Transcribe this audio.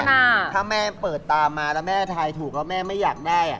ถ้าแม่เปิดตามมาแล้วแม่ทายถูกแล้วแม่ไม่อยากได้อ่ะ